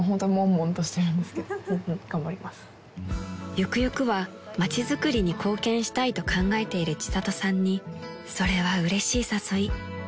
［ゆくゆくは街づくりに貢献したいと考えている千里さんにそれはうれしい誘い］